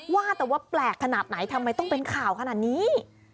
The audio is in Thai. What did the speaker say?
ว่าแต่ว่าแปลกขนาดไหนทำไมต้องเป็นข่าวขนาดนี้